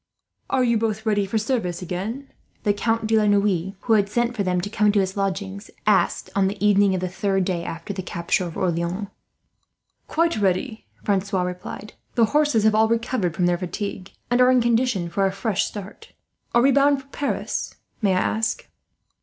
"Are you both ready for service again?" the Count de la Noue, who had sent for them to come to his lodgings, asked on the evening of the third day after the capture of Orleans. "Quite ready," Francois replied. "The horses have all recovered from their fatigue, and are in condition for a fresh start. Are we bound for Paris, may I ask?"